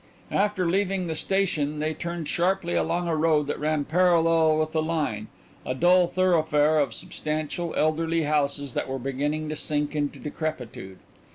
After leaving the station they turned sharply along a road that ran parallel with the line, a dull thoroughfare of substantial, elderly houses that were beginning to sink into decrepitude.